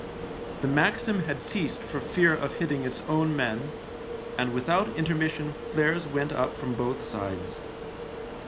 The Maxim had ceased for fear of hitting its own men, and without intermission flares went up from both sides.